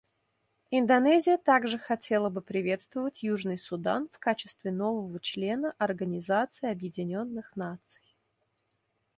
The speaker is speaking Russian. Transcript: Индонезия также хотела бы приветствовать Южный Судан в качестве нового члена Организации Объединенных Наций.